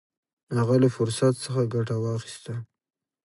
هغه له فرصت څخه ګټه واخیسته.